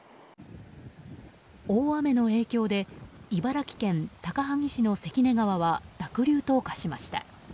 大雨の影響で茨城県高萩市の関根川は濁流と化しました。